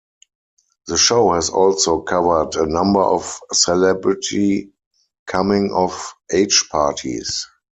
The show has also covered a number of celebrity coming of age parties.